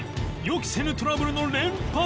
予期せぬトラブルの連発！